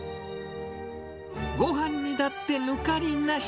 ごはんにだって抜かりなし。